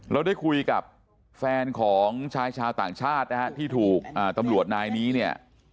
เราได้คุยกับแฟนของชายชาวต่างชาติที่ถูกตำรวจนาฬินี้